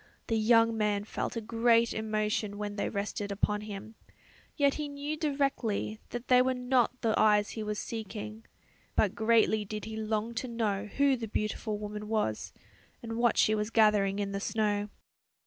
The young man felt a great emotion when they rested upon him, yet he knew directly that they were not the eyes he was seeking; but greatly did he long to know who the beautiful woman was, and what she was gathering in the snow.